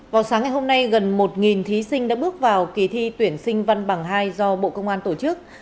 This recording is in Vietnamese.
vào sáng ngày hôm nay gần một thí sinh đã bước vào kỳ thi tuyển sinh văn bằng hai do bộ công an tổ chức